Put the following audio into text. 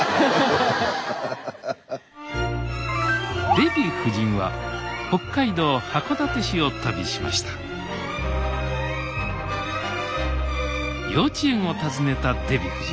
デヴィ夫人は北海道函館市を旅しました幼稚園を訪ねたデヴィ夫人。